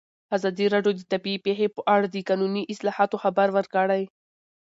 ازادي راډیو د طبیعي پېښې په اړه د قانوني اصلاحاتو خبر ورکړی.